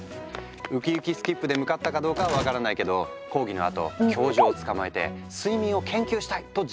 ウキウキスキップで向かったかどうかは分からないけど講義のあと教授をつかまえて「睡眠を研究したい！」とじか談判。